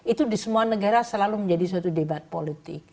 itu di semua negara selalu menjadi suatu debat politik